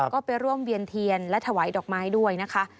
ก็ไปร่วมเวียนเทียนและถวายดอกไม้ด้วยนะคะ